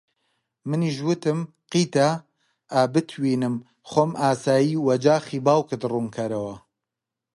منیش وتم: قیتە! ئا بتوینم خۆم ئاسایی وەجاخی باوکت ڕوون کەرەوە